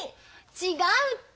違うって！